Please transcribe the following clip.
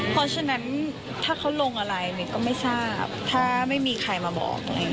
เพราะฉะนั้นถ้าเขาลงอะไรหนึ่งก็ไม่ทราบถ้าไม่มีใครมาบอก